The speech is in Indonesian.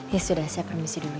ya sudah saya permisi dulu ya